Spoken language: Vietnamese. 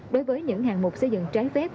đối với những hàng mục xây dựng trái phép